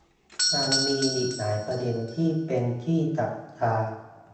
ยังมีอีกหลายประเด็นที่เป็นที่จับตา